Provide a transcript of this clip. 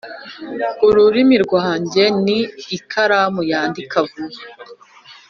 Ururimi rwanjye ni ikaramu yandika vuba